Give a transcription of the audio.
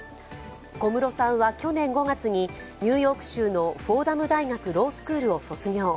小室さんは去年５月にニューヨーク州のフォーダム大学ロースクールを卒業。